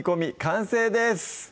完成です